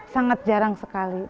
sangat jarang sekali